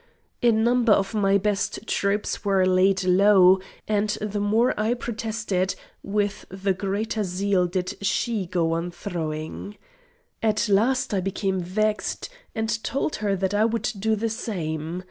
A number of my best troops were laid low, and the more I protested, with the greater zeal did she go on throwing. At last I became vexed, and told her that I would do the same.